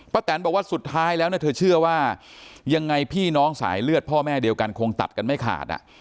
แตนบอกว่าสุดท้ายแล้วเธอเชื่อว่ายังไงพี่น้องสายเลือดพ่อแม่เดียวกันคงตัดกันไม่ขาด